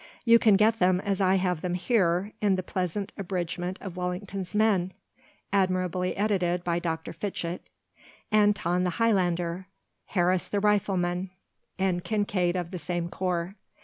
You can get them, as I have them there, in the pleasant abridgement of "Wellington's Men" (admirably edited by Dr. Fitchett)—Anton the Highlander, Harris the rifleman, and Kincaid of the same corps.